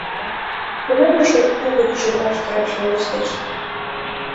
Кунам эше угыч чодыраш каяш верештеш?..